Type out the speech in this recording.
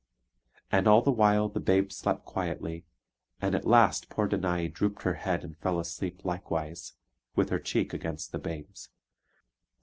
And all the while the babe slept quietly; and at last poor Danae drooped her head and fell asleep likewise with her cheek against the babe's.